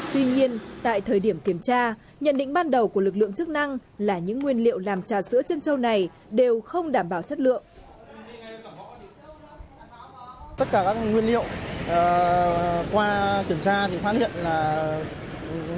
tuy nhiên tại thời điểm kiểm tra nhận định ban đầu của lực lượng chức năng là những nguyên liệu làm trà sữa chân trâu này đều không đảm bảo chất lượng